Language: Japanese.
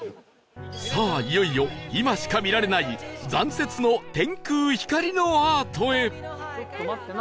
さあいよいよ今しか見られない残雪の天空光のアートへ